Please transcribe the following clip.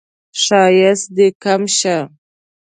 ښایست دې کم شه